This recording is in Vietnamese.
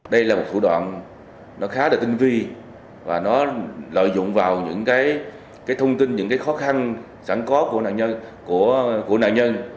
đây là một thủ đoạn khá là tinh vi và nó lợi dụng vào những thông tin những khó khăn sẵn có của nạn nhân